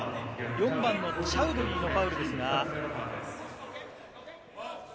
４番のチャウドリーのファウルですが。